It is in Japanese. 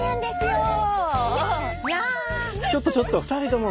ちょっとちょっと２人とも！